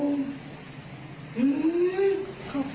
เนี้ยค่ะน้องปลาอาทดิ์จะรู้แล้ว